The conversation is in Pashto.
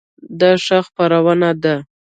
دا ښه خپرونه ده؟